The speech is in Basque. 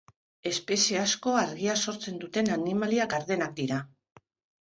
Espezie asko argia sortzen duten animalia gardenak dira.